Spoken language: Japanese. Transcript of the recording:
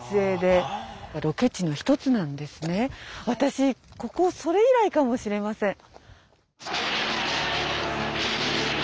私ここそれ以来かもしれません。